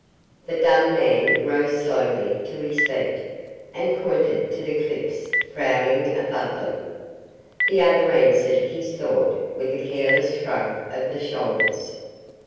The dumb man rose slowly to his feet, and pointed to the cliffs frowning above them. The other answered his thought with a careless shrug of the shoulders.